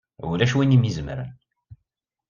Ulac win i m-izemren!